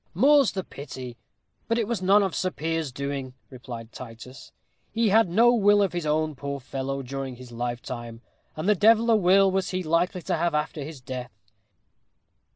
"More's the pity. But it was none of poor Sir Piers's doing!" replied Titus; "he had no will of his own, poor fellow, during his life, and the devil a will was he likely to have after his death.